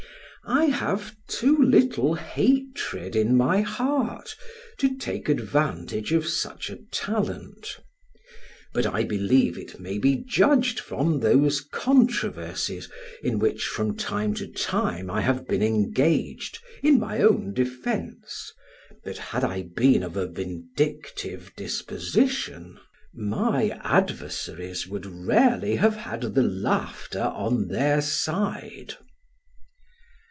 I have too little hatred in my heart to take advantage of such a talent; but I believe it may be judged from those controversies, in which from time to time I have been engaged in my own defence, that had I been of a vindictive disposition, my adversaries would rarely have had the laughter on their side.